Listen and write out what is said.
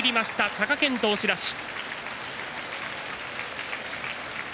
貴健斗、押し出し。